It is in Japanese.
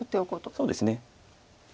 そうですね。